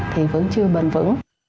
thì vẫn chưa bền vững